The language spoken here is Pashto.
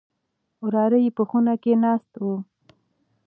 وراره يې په خونه کې ناست و.